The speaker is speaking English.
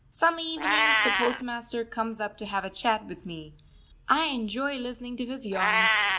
Some evenings the postmaster comes up to have a chat with me. I enjoy listening to his yarns.